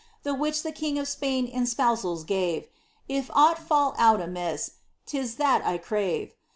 The which the king of Spain in spousals gave,— If ought fall out amiss, 't is that I crave.